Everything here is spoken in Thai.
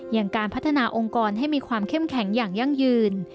อย่างการพัฒนาองค์กรให้มีความเข้มแข็งอย่างยั่งยืน